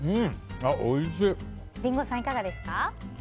リンゴさんいかがですか？